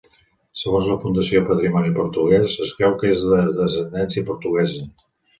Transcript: Segons la Fundació Patrimoni Portuguès, es creu que és de descendència portuguesa.